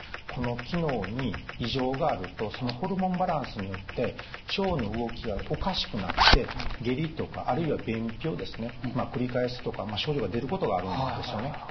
この機能に異常があるとそのホルモンバランスによって腸の動きがおかしくなって下痢とかあるいは便秘をですね繰り返すとか症状が出ることがあるんですよね。